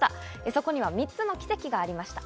そこには３つの奇跡がありました。